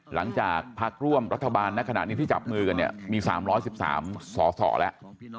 หลังจากพักร่วมรัฐบาลในขณะนี้ที่จับมือกันเนี่ยมี๓๑๓สสแล้ว